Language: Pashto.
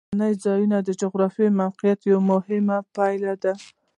سیلاني ځایونه د جغرافیایي موقیعت یوه مهمه پایله ده.